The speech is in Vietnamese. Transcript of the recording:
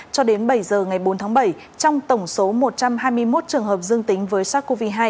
cho đến bảy giờ ngày bốn tháng bảy trong tổng số một trăm hai mươi một trường hợp dương tính với sars cov hai